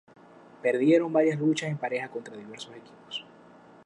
Perdieron varias luchas en parejas contra diversos equipos.